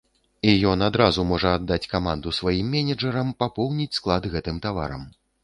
І ён адразу можа аддаць каманду сваім менеджэрам папоўніць склад гэтым таварам.